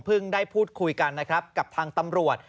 ได้พูดคุยกันนะครับกับทางตำรวจ